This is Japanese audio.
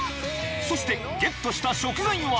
［そしてゲットした食材は］